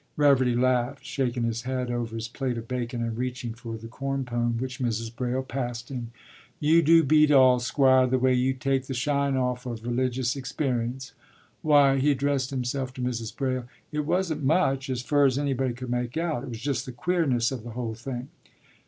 ” Reverdy laughed, shaking his head over his plate of bacon and reaching for the corn pone which Mrs. Braile passed him. “You do beat all, Squire, the way you take the shine off of religious experience. Why,” he addressed himself to Mrs. Braile, “it wasn't much, as fur as anybody could make out. It was just the queerness of the whole thing.